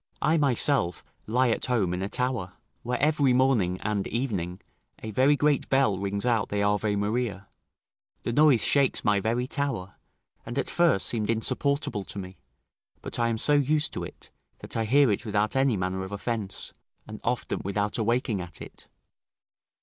I myself lie at home in a tower, where every morning and evening a very great bell rings out the Ave Maria: the noise shakes my very tower, and at first seemed insupportable to me; but I am so used to it, that I hear it without any manner of offence, and often without awaking at it.